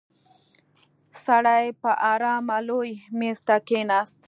سړی په آرامه لوی مېز ته کېناست.